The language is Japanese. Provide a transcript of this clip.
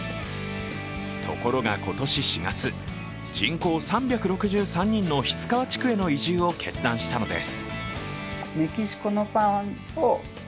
ところが今年４月、人口３６３人の後川地区への移住を決断したのです。